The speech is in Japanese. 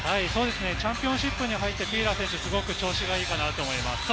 チャンピオンシップに入って、フィーラー選手がすごく調子いいかなと思います。